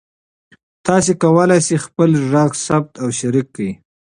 تاسي کولای شئ خپل غږ ثبت او شریک کړئ.